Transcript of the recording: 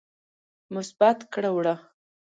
مثبت کړه وړه